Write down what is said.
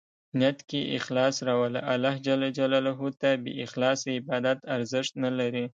نیت کې اخلاص راوله ، الله ج ته بې اخلاصه عبادت ارزښت نه لري.